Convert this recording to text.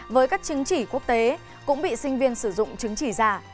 với các chứng chỉ quốc tế cũng bị sinh viên sử dụng chứng chỉ giả